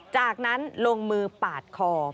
จากนั้นลงมือปาดคอ